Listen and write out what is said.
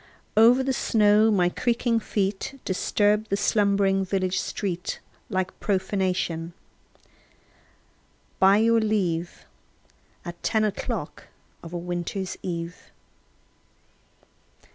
Over the snow my creaking feet Disturbed the slumbering village street Like profanation, by your leave, At ten o'clock of a winter eve.